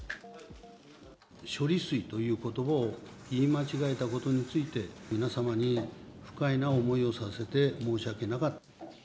処理水ということばを言い間違えたことについて、皆様に不快な思いをさせて申し訳なかった。